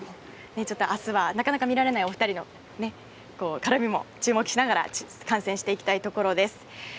明日はなかなか見られないお二人の絡みも注目しながら観戦していきたいところです。